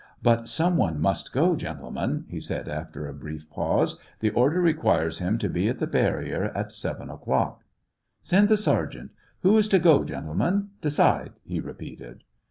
But some one must go, gentle men," he said, after a brief pause :" the order re quires him to be at the barrier at seven o'clock. ... Send the sergeant ! Who is to go, gentle men } decide," he repeated.